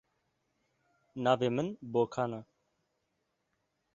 Navê min Bokan e.